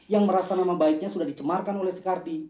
yang merasa nama baiknya sudah dicemarkan oleh si kardi